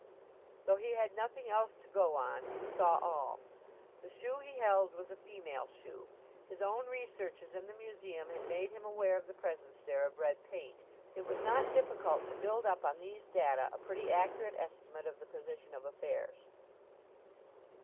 Though he had nothing else to go on, he saw all. The shoe he held was a female shoe. His own researches in the museum had made him aware of the presence there of red paint. It was not difficult to build up on these data a pretty accurate estimate of the position of affairs.